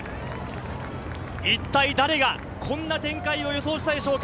一体誰がこんな展開を予想したでしょうか。